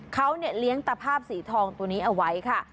เขาเลี้ยงตะภาพสีทองตัวนี้เอาไว้ค่ะ